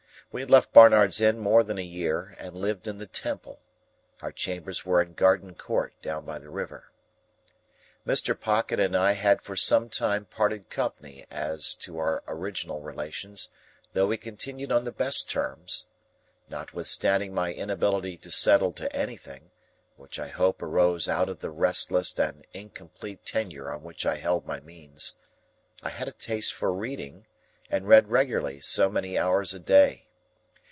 We had left Barnard's Inn more than a year, and lived in the Temple. Our chambers were in Garden court, down by the river. Mr. Pocket and I had for some time parted company as to our original relations, though we continued on the best terms. Notwithstanding my inability to settle to anything,—which I hope arose out of the restless and incomplete tenure on which I held my means,—I had a taste for reading, and read regularly so many hours a day.